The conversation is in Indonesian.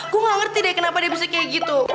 gue gak ngerti deh kenapa dia bisa kayak gitu